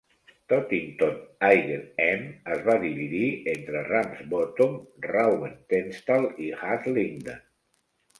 Tottington Higher End es va dividir entre Ramsbottom, Rawtenstall i Haslingden.